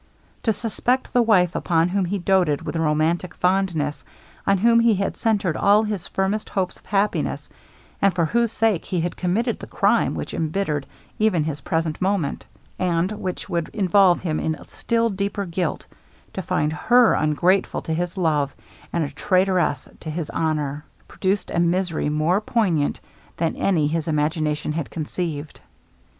To suspect the wife upon whom he doated with romantic fondness, on whom he had centered all his firmest hopes of happiness, and for whose sake he had committed the crime which embittered even his present moment, and which would involve him in still deeper guilt to find her ungrateful to his love, and a traitoress to his honor produced a misery more poignant than any his imagination had conceived.